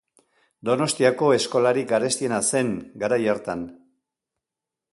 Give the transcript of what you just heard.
Donostiako eskolarik garestiena zen, garai hartan.